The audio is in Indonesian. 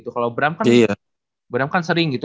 kalau bram kan sering gitu